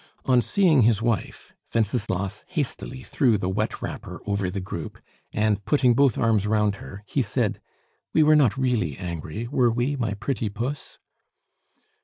On seeing his wife, Wenceslas hastily threw the wet wrapper over the group, and putting both arms round her, he said: "We were not really angry, were we, my pretty puss?"